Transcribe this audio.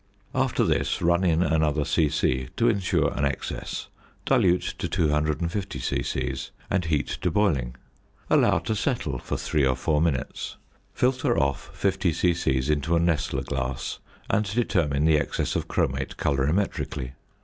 After this run in another c.c. to ensure an excess, dilute to 250 c.c., and heat to boiling; allow to settle for three or four minutes, filter off 50 c.c. into a Nessler glass, and determine the excess of chromate colorimetrically.